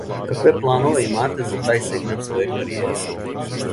Какве планове имате за тај сегмент своје каријере?